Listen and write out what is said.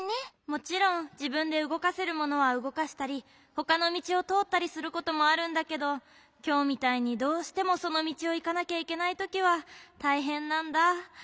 もちろんじぶんでうごかせるものはうごかしたりほかのみちをとおったりすることもあるんだけどきょうみたいにどうしてもそのみちをいかなきゃいけないときはたいへんなんだ。